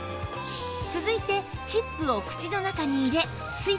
続いてチップを口の中に入れスイッチをオン